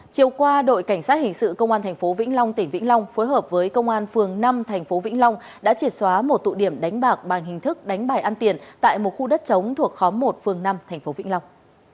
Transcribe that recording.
chiều qua đội cảnh sát hình sự công an tp vĩnh long tỉnh vĩnh long phối hợp với công an phường năm tp vĩnh long đã triệt xóa một tụ điểm đánh bạc bằng hình thức đánh bài ăn tiền tại một khu đất chống thuộc khóm một phường năm tp vĩnh long